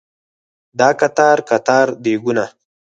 دا قطار قطار دیګونه